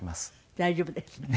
大丈夫です。